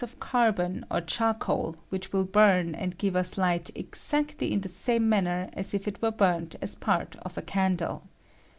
55 of carbon or charcoal, whicii will bum and give us light exactly in the same manner aa if it were bumt as part of a candle.